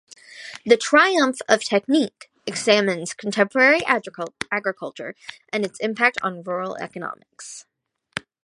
"The Triumph of Technique" examines contemporary agriculture and its impact on rural economies.